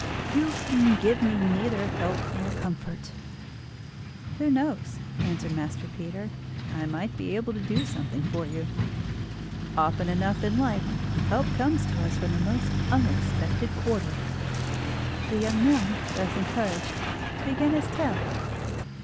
"You can give me neither help nor comfort." "Who knows?" answered Master Peter. "I might be able to do something for you. Often enough in life help comes to us from the most unexpected quarter." The young man, thus encouraged, began his tale.